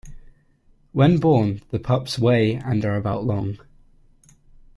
When born, the pups weigh and are about long.